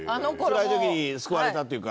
つらい時に救われたっていうか。